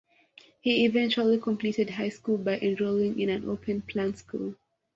He eventually completed high school by enrolling in an open plan school.